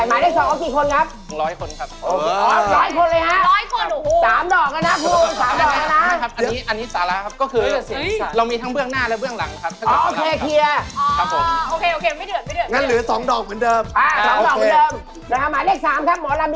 มากที่สุดก็ประมาณ๓๐คนขึ้นไป